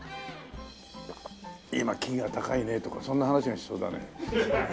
「今金が高いね」とかそんな話がしそうだね。